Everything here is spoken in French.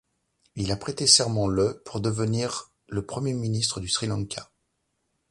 Il a prêté serment le pour devenir le Premier ministre du Sri Lanka.